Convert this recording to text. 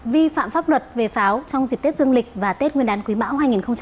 vi phạm pháp luật về pháo trong dịch tết dương lịch và tết nguyên đán quý bão hai nghìn hai mươi ba